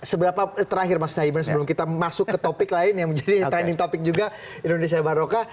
seberapa terakhir mas saiman sebelum kita masuk ke topik lain yang menjadi trending topic juga indonesia baroka